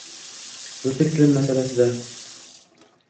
O'zbek tili masalasida